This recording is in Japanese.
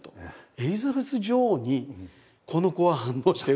「エリザベス女王にこの子は反応してる」と。